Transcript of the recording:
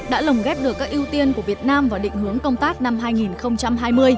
đã lồng ghép được các ưu tiên của việt nam vào định hướng công tác năm hai nghìn hai mươi